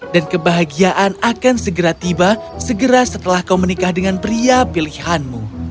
dan kebahagiaan akan segera tiba segera setelah kau menikah dengan pria pilihanmu